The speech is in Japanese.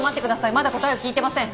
まだ答えを聞いてません。